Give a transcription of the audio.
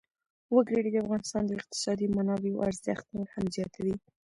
وګړي د افغانستان د اقتصادي منابعو ارزښت نور هم زیاتوي.